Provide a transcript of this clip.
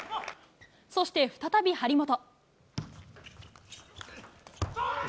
そして、再び張本。